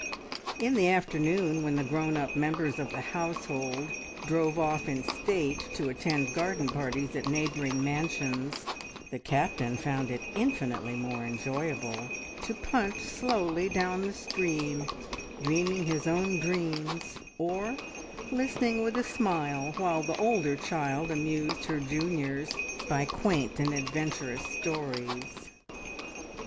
In the afternoon, when the grown up members of the household drove off in state to attend garden parties at neighbouring mansions, the Captain found it infinitely more enjoyable to punt slowly down the stream, dreaming his own dreams, or listening with a smile while the older child amused her juniors by quaint and adventurous stories.